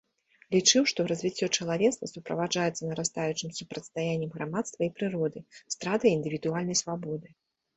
Лічыў, што развіццё чалавецтва суправаджаецца нарастаючым супрацьстаяннем грамадства і прыроды, стратай індывідуальнай свабоды.